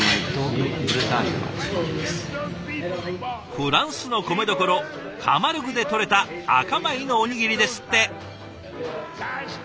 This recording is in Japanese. フランスの米どころカマルグでとれた赤米のおにぎりですって。